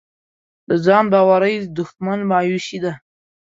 د ځان باورۍ دښمن مایوسي ده.